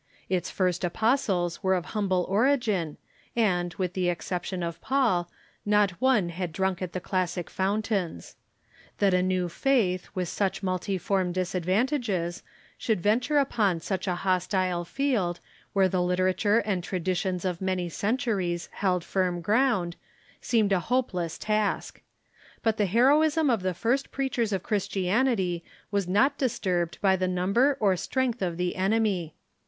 Its first apostles were of humble origin, and, with the exception of Paul, not one had drunk at the classic fountains. That a new faith, with such multiform 10 THE EARLY CHURCH disadvantages, should venture upon such a hostile field, where the literature and traditions of many centuries held firm ground, seemed a lio2:)eless task. But the heroism of the first preaciiers of Christianity was not disturbed by the number or strength of the enemy.